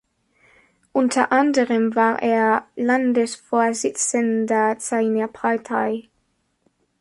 Unter anderem war er Landesvorsitzender seiner Partei.